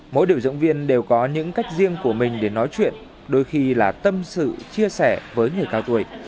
mỗi điều dưỡng viên đều có những cách riêng của mình để chia sẻ với người cao tuổi